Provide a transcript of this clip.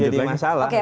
boleh dilanjut lagi